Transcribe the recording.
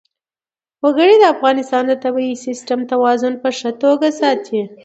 وګړي د افغانستان د طبعي سیسټم توازن په ښه توګه ساتي.